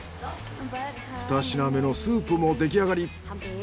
２品目のスープもできあがり。